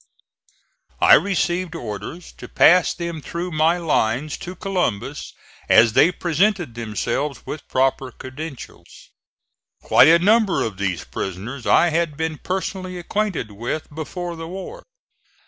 I received orders to pass them through my lines to Columbus as they presented themselves with proper credentials. Quite a number of these prisoners I had been personally acquainted with before the war.